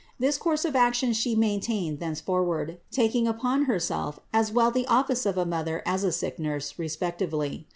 This course of action She maintained thenceforward, taking upon Herself as well the office of a mother as of a sick nurse, respectively.